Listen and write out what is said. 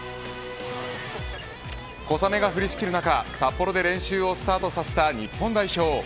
小雨が降りしきる中、札幌で練習をスタートされた日本代表。